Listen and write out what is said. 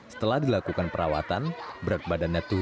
setelah merasakan turun badan itu